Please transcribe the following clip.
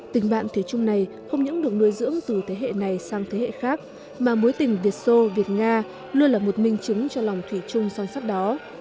tình bạn thủy trung này không những được nuôi dưỡng từ thế hệ này sang thế hệ khác mà mối tình việt xô việt nga luôn là một minh chứng cho lòng thủy trung son sắc đó